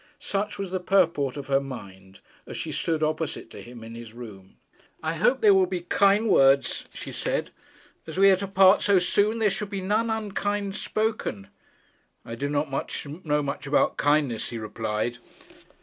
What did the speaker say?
Such was the purport of her mind as she stood opposite to him in his room. 'I hope they will be kind words,' she said. 'As we are to part so soon, there should be none unkind spoken.' 'I do not know much about kindness,' he replied.